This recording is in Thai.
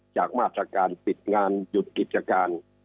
จากมาตรการปิดงานหยุดกิจการ